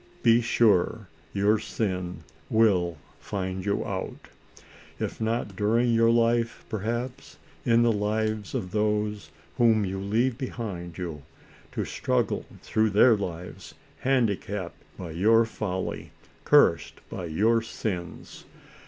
" Be sure your sin will find you out :" if not during your life, perhaps, in the lives of those, whom you leave behind you, to struggle through their lives, handicapped by your folly, cursed by your sins.